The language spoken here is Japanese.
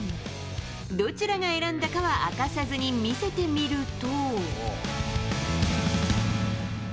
どちらが選んだかは明かさずに見せてみると。